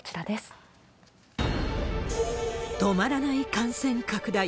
止まらない感染拡大。